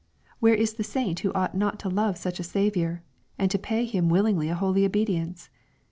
— Where is the saint who ought not to love such a Saviour, and to pay Him willingly a holy obedience